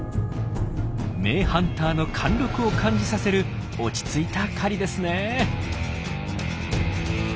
名ハンターの貫禄を感じさせる落ち着いた狩りですねえ。